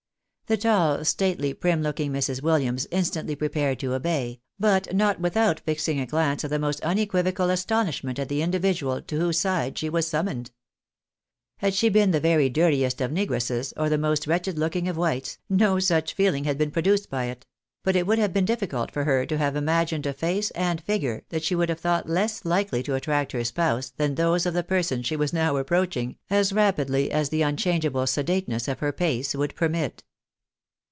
The tall, stately, prim looking Mrs. WilUams instantly pre pared to obey, but not without fixing a glance of the most unequi vocal astonishment at the individual to whose side she was summoned. Had she been the very dirtiest of negresses, or the most wretched looking of whites, no such feeling had been produced by it ; but it would have been difficult for her to have imagined a face and figure that she would have thought less likely to attract her spouse than those of the person she was now approaching, as rapidly as the unchangeable sedateness of her pace would permit.